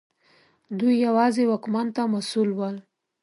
دوی یوازې واکمن ته مسوول ول.